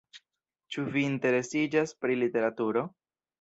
Ĉu vi interesiĝas pri literaturo?